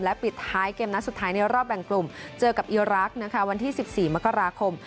ปิดท้ายเกมนัดสุดท้ายในรอบแบ่งกลุ่มเจอกับอีรักษ์นะคะวันที่๑๔มกราคม